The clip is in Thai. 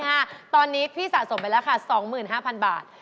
ตอนนี้พี่สะสมไปแล้วค่ะ๒๕๐๐บาท